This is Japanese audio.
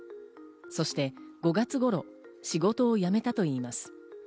そして５月頃、仕事を辞めたといいます。